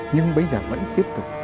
nhưng bây giờ vẫn tiếp tục